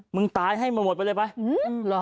มึงตายให้มาหมดไปเลยไหม